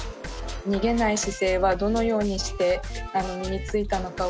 逃げない姿勢はどのようにして身についたのかを。